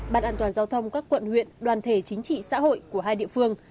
bàn an toàn giao thông các quận huyện đoàn thể chính trị xã hội của hai địa phương